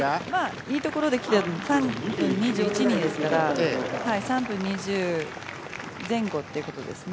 いいところで来て３分２１、２ですから３分２０前後ってことですね。